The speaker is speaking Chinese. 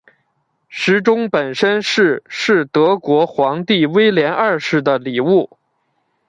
时钟本身是是德国皇帝威廉二世的礼物。